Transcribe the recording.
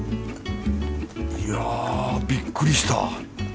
いやぁびっくりした。